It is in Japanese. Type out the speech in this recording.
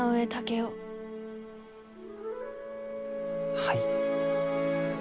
はい。